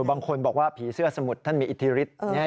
บางคนบอกว่าผีเสื้อสมุทรท่านมีอิทธิฤทธิ์